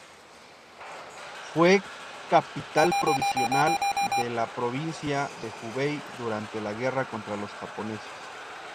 Fue capital provisional de la provincia de Hubei durante la guerra contra los japoneses.